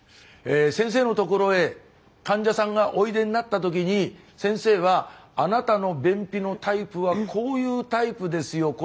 先生のところへ患者さんがおいでになったときに先生はあなたの便秘のタイプはこういうタイプですよ